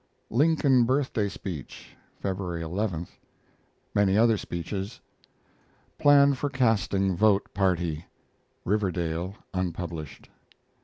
Lincoln Birthday Speech, February 11. Many other speeches. PLAN FOR CASTING VOTE PARTY (Riverdale) (unpublished).